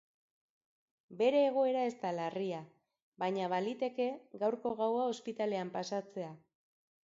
Bere egoera ez da larria, baina baliteke gaurko gaua ospitalean pasatzea.